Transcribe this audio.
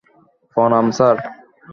প্রণাম, স্যার।